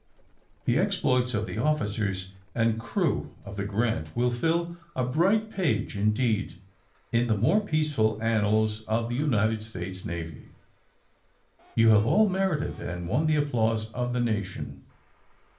The exploits of the officers and crew of the * Grant ' will fill a bright page indeed in the more peaceful annals of the United States Navy. You have all merited and won the applause of the Nation.''